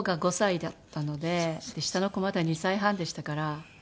下の子まだ２歳半でしたから。